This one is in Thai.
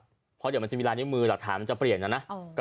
เพราะเดี๋ยวมันจะมีลายนิ้วมือหลักฐานมันจะเปลี่ยนนะนะ